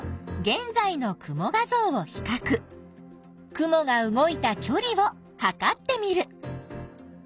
雲が動いたきょりをはかってみる。